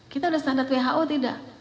kita sudah standar who tidak